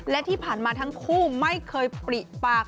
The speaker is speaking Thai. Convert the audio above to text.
และที่ผ่านมาทั้งคู่ไม่เคยปริปาก